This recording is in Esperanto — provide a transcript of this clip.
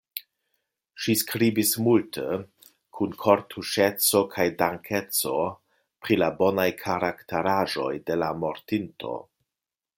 Ŝi skribis multe, kun kortuŝeco kaj dankeco, pri la bonaj karakteraĵoj de la mortinto.